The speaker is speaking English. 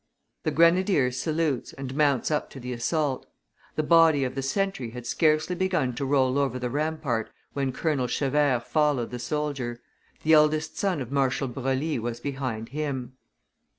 The grenadier salutes, and mounts up to the assault; the body of the sentry had scarcely begun to roll over the rampart when Colonel Chevert followed the soldier; the eldest son of Marshal Broglie was behind him.